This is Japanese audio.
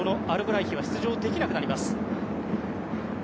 アルブライヒは出場できなくなります。